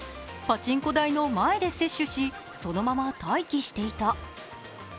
パチンコ台の前で接種し、そのまま待機していた。